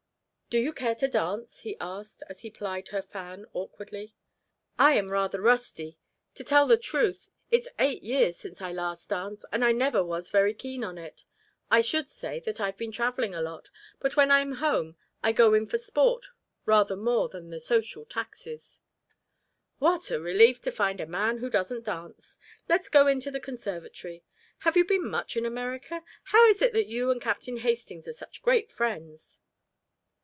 "Do you care to dance?" he asked as he plied her fan awkwardly. "I am rather rusty. To tell the truth, it's eight years since I last danced, and I never was very keen on it. I should say that I've been travelling a lot, and when I'm home I go in for sport rather more than for the social taxes." "What a relief to find a man who doesn't dance! Let us go into the conservatory. Have you been much in America? How is it that you and Captain Hastings are such great friends?"